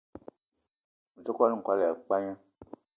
Me te kwal-n'kwal ya pagna